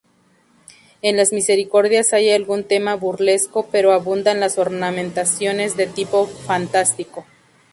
En las misericordias hay algún tema burlesco, pero abundan las ornamentaciones de tipo fantástico.